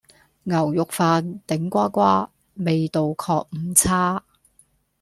牛肉飯，頂呱呱，味道確唔差